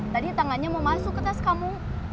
tadi tangannya mau masuk ke tas kamu